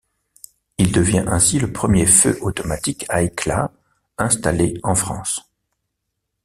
Il devient ainsi le premier feu automatique à éclats installé en France.